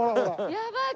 やばい！